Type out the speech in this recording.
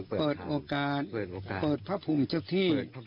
เปิดโอกาสเปิดพระภูมิเจ้าที่